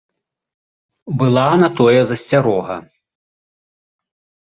Была на тое засцярога.